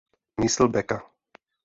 Myslbeka.